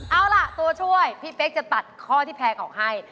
เอาล่ะตัวช่วยพี่เป๊กจะตัดข้อที่แพงออกให้